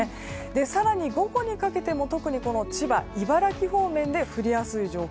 更に午後にかけても特に千葉、茨城方面でザーザー降りですか。